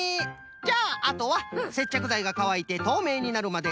じゃああとはせっちゃくざいがかわいてとうめいになるまでまつ！